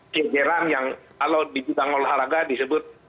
jajaran yang kalau di bidang olahraga disebut